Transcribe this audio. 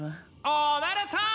おめでとう！